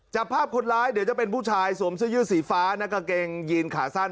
จับภาพคนร้ายเดี๋ยวจะเป็นผู้ชายสวมเสื้อยืดสีฟ้าและกางเกงยีนขาสั้น